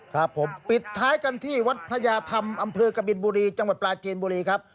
ครับผมปิดท้ายกันที่วัดพระยาธรรมอำเภอกบินบุรีจังหวัดปลาจีนบุรีครับ